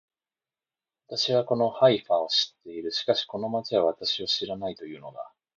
私はこのハイファを知っている。しかしこの町は私を知らないと言うのだ